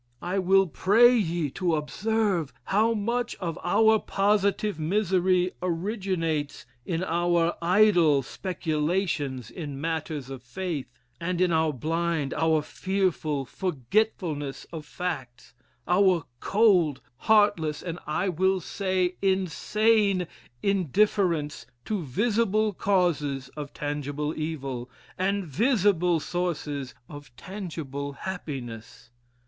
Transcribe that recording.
I will pray ye to observe how much of our positive misery originates in our idle speculations in matters of faith, and in our blind, our fearful forgetfulness of facts our cold, heartless, and, I will say, insane indifference to visible causes of tangible evil, and visible sources of tangible happiness.